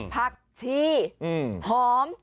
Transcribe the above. ผักชีหอม